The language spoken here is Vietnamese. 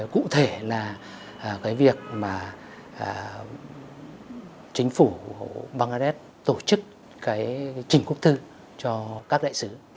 cụ thể là việc chính phủ bangladesh tổ chức trình quốc thư cho các đại sứ